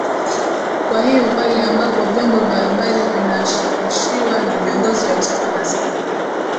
Kwa hiyo pale ambapo vyombo vya habari vinashawishiwa na viongozi wa chama na serikali